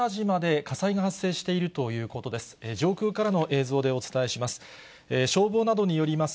上空からの映像でお伝えします。